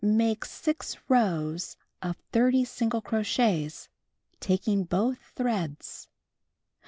Make 6 rows of 30 single crochets, taking both threads.